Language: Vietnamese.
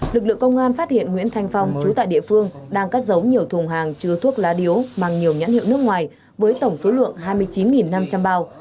lực lượng công an phát hiện nguyễn thanh phong chú tại địa phương đang cất giấu nhiều thùng hàng chứa thuốc lá điếu mang nhiều nhãn hiệu nước ngoài với tổng số lượng hai mươi chín năm trăm linh bao